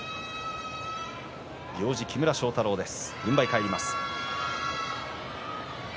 行司は木村庄太郎です。